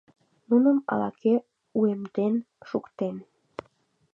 Нуным ала-кӧ уэмден шуктен.